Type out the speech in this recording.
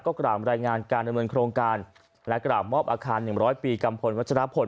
กล่าวรายงานการดำเนินโครงการและกราบมอบอาคาร๑๐๐ปีกัมพลวัชรพล